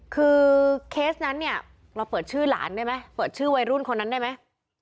คือเคสนั้นเนี่ยเราเปิดชื่อหลานได้ไหมเปิดชื่อวัยรุ่นคนนั้นได้ไหม